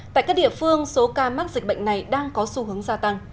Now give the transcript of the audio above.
tại các địa phương số ca mắc dịch bệnh này đang có xu hướng gia tăng